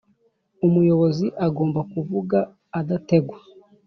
Umuyobozi agomba kuvuga adategwa,